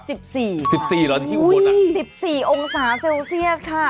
สิบสี่เหรอที่อุโหดน่ะอุ้ยสิบสี่องศาเซลเซียสค่ะ